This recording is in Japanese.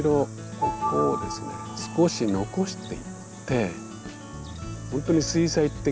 ここをですね少し残していって本当に水彩って